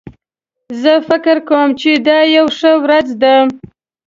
زه فکر کوم چې دا یو ښه ورځ ده